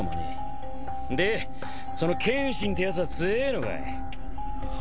でその剣心ってやつは強えのかい？